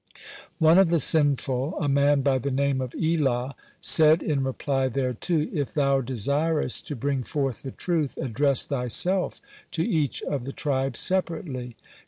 (4) One of the sinful, a man by the name of Elah, (5) said in reply thereto: "If thou desirest to bring forth the truth, address thyself to each of the tribes separately."